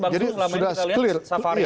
jadi sudah clear